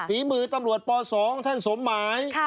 ฝีมือตำรวจป๒ท่านสมหมาย